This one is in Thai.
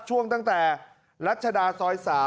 ตั้งแต่รัชดาซอย๓